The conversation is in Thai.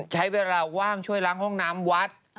ใช้เวลาว่างช่วยล้างห้องน้ำวัด